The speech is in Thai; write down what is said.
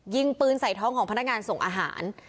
ยิงปืนใส่ท้องของพนักงานส่งอาหาร